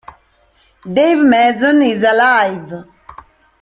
Dave Mason Is Alive!